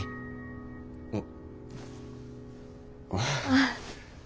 うん。